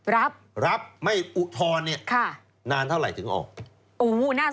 รับรับไม่อุทธรณ์เนี่ยนานเท่าไหร่ถึงออก